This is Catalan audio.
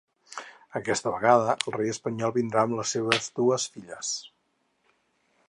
Aquesta vegada el rei espanyol vindrà amb les seves dues filles.